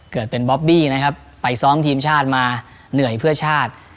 เกิดเป็นบอบบี้นะครับไปซ้อมทีมชาติมาเหนื่อยเพื่อชาติ